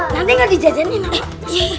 nanti nggak dijajanin nek